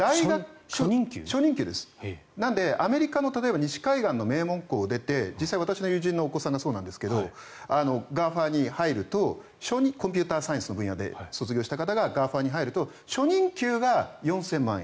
なので、アメリカの西海岸の名門校を出て実際に私の友人のお子さんがそうなんですがＧＡＦＡに入るとコンピューターサイエンスの分野で卒業した方がＧＡＦＡに入ると初任給が４０００万円。